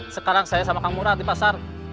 sekarang saya sama kang murad di pasar